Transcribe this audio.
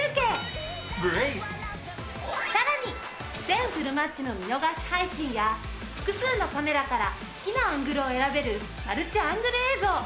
全フルマッチの見逃し配信や複数のカメラから好きなアングルを選べるマルチアングル映像。